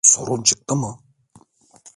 Sorun çıktı mı?